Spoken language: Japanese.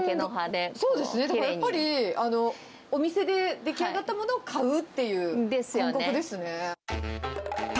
だからやっぱり、お店で出来上がったものを買うっていう。ですよね。